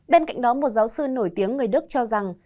bên cạnh đó một giáo sư nổi tiếng người đức cho rằng